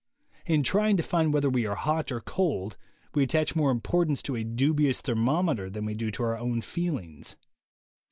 In trying to find whether we are hot or cold, we attach more importance to a dubious thermometer than we do to our own feelings.